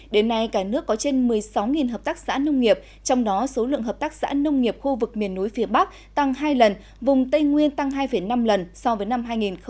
đến nay cả nước có trên một mươi sáu hợp tác xã nông nghiệp trong đó số lượng hợp tác xã nông nghiệp khu vực miền núi phía bắc tăng hai lần vùng tây nguyên tăng hai năm lần so với năm hai nghìn một mươi